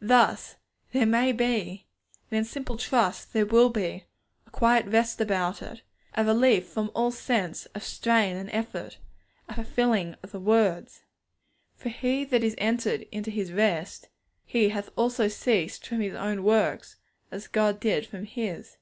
Thus there may be, and in simple trust there will be, a quiet rest about it, a relief from all sense of strain and effort, a fulfilling of the words, 'For he that is entered into his rest, he also hath ceased from his own works, as God did from His.'